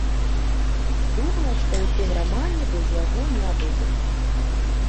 Думае, што ў тым рамане без яго не абыдзецца.